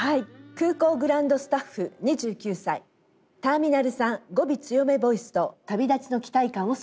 「空港グランドスタッフ２９歳ターミナル産語尾強めボイスと旅立ちの期待感を添えて」。